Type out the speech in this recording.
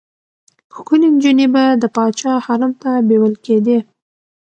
ښکلې نجونې به د پاچا حرم ته بېول کېدې.